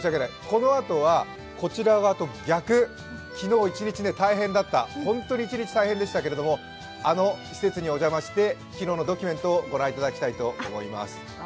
このあとはこちら側と逆、昨日一日で大変だった、本当に一日大変でしたけれども、あの施設にお邪魔して昨日のドキュメントをご覧いただきたいと思います。